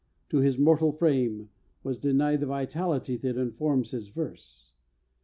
To his mortal frame was denied the vitality that informs his verse.